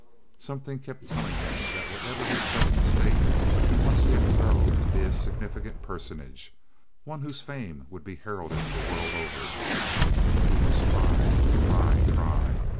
Something kept telling him that whatever his present state he must yet grow to be a significant personage, one whose fame would be heralded the world over—who must try, try, try.